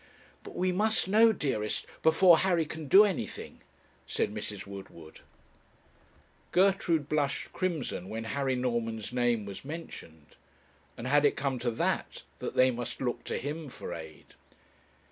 'But we must know, dearest, before Harry can do anything,' said Mrs. Woodward. Gertrude blushed crimson when Harry Norman's name was mentioned. And had it come to that that they must look to him for aid?